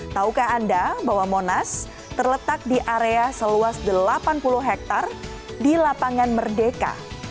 taukah anda bahwa monas terletak di area seluas delapan puluh hektare di lapangan merdeka